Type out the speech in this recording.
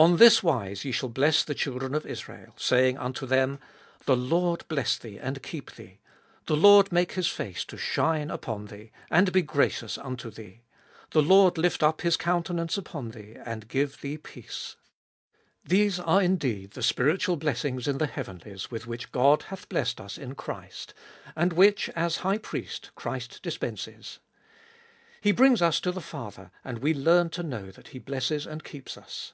On this wise ye shall bless the children of Israel, saying unto them, The LORD bless thee, and keep thee ; The LORD make His face to shine upon thee, and be gracious unto thee : The LORD lift up His countenance upon thee, and give thee peace. Dolfest of Sll 233 These are indeed the spiritual blessings in the heavenlies with which God hath blessed us in Christ and which, as High Priest, Christ dispenses. He brings us to the Father, and we learn to know that He blesses and keeps us.